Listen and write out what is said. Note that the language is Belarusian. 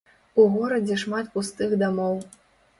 У горадзе шмат пустых дамоў.